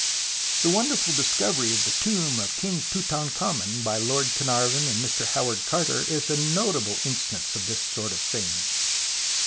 The wonderful discovery of the tomb of King Tutankhamen by Lord Carnarvon and Mr. Howard Carter is a notable instance of this sort of thing.